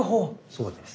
そうです。